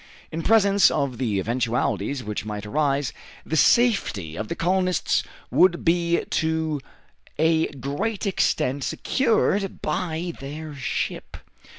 In presence of the eventualities which might arise, the safety of the colonists would be to a great extent secured by their ship.